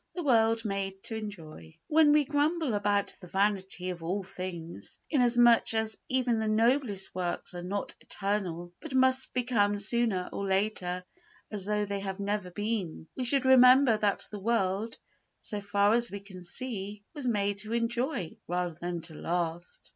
The World Made to Enjoy When we grumble about the vanity of all human things, inasmuch as even the noblest works are not eternal but must become sooner or later as though they had never been, we should remember that the world, so far as we can see, was made to enjoy rather than to last.